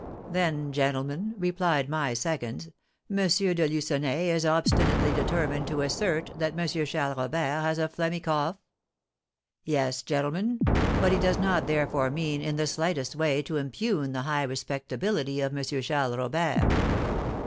'Then, gentlemen,' replied my seconds, 'M. de Lucenay is obstinately determined to assert that M. Charles Robert has a phlegmy cough?' 'Yes, gentlemen, but he does not therefore mean in the slightest way to impugn the high respectability of M. Charles Robert.'